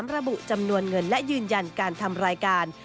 ระบุจำนวนเงินและยืนยันการทำรายการ